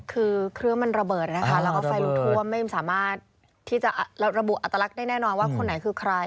คือเครื่องมันระเบิดนะคะแล้วก็ไฟลุกท่วมไม่สามารถที่จะระบุอัตลักษณ์ได้แน่นอนว่าคนไหนคือใคร